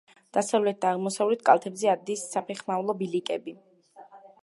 დასავლეთ და აღმოსავლეთ კალთებზე ადის საფეხმავლო ბილიკები.